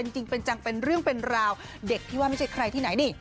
จริงเป็นจังเป็นเรื่องเป็นราวเด็กที่ว่าไม่ใช่ใครที่ไหนนี่